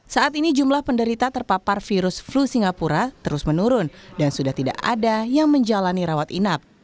saat ini jumlah penderita terpapar virus flu singapura terus menurun dan sudah tidak ada yang menjalani rawat inap